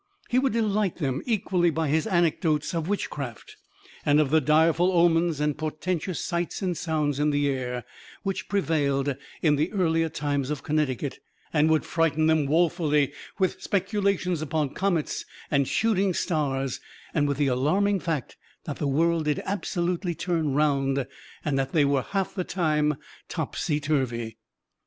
He would delight them equally by his anecdotes of witchcraft, and of the direful omens and portentous sights and sounds in the air, which prevailed in the earlier times of Connecticut; and would frighten them wofully with speculations upon comets and shooting stars, and with the alarming fact that the world did absolutely turn round, and that they were half the time topsy turvy!